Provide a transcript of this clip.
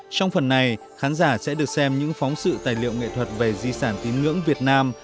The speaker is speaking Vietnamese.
trong phần này khán giả sẽ được xem những phóng sự tài liệu nghệ thuật về di sản tín ngưỡng việt nam